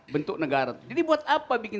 bentuk negara jadi buat apa bikin